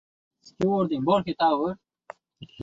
— Iye, halitdan buyon qulog‘ingga tanbur chertdimmi?